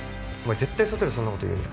絶対外でそんなこと言うなよ